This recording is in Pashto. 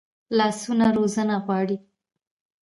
لاسونه روزنه غواړي